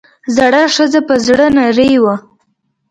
زړه ښځه پۀ زړۀ نرۍ وه ـ